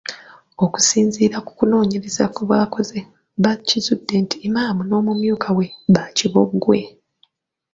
Okusinziira ku kunoonyereza kwe baakoze baakizudde nti Imam n'omumyuka we baakibogwe.